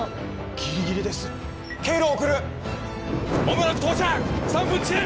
ギリギリです経路を送る間もなく到着３分遅延！